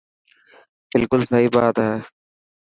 بلڪل سهي بات هي.